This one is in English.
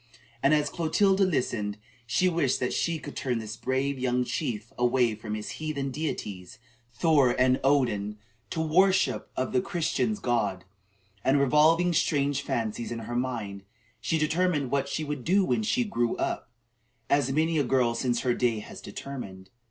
And as Clotilda listened, she wished that she could turn this brave young chief away from his heathen deities, Thor and Odin, to the worship of the Christians' God; and, revolving strange fancies in her mind, she determined what she would do when she "grew up," as many a girl since her day has determined.